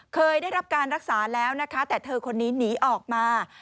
เคยได้รับการรักษาแล้วนะคะแต่เธอคนนี้หนีออกมา